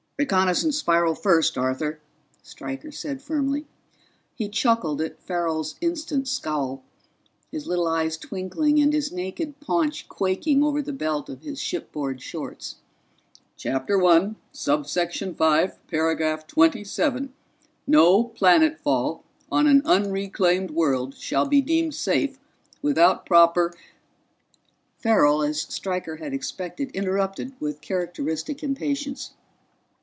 "Reconnaissance spiral first, Arthur," Stryker said firmly. He chuckled at Farrell's instant scowl, his little eyes twinkling and his naked paunch quaking over the belt of his shipboard shorts. "Chapter One, Subsection Five, Paragraph Twenty seven: _No planetfall on an unreclaimed world shall be deemed safe without proper _" Farrell, as Stryker had expected, interrupted with characteristic impatience.